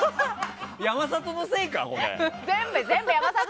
山里のせいか？